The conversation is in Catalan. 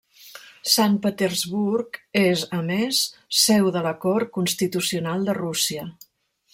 Sant Petersburg és, a més, seu de la cort constitucional de Rússia.